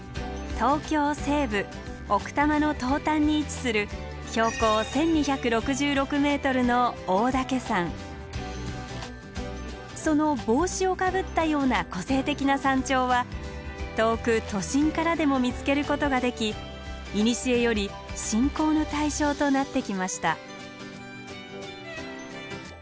東京西部奥多摩の東端に位置するその帽子をかぶったような個性的な山頂は遠く都心からでも見つけることができいにしえより信仰の対象となってきました。